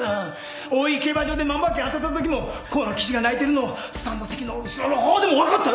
大井競馬場で万馬券当てたときも高野騎手が泣いてるのをスタンド席の後ろの方でも分かったよ。